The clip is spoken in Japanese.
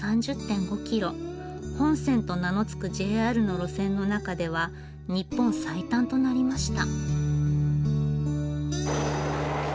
本線と名の付くＪＲの路線の中では日本最短となりました。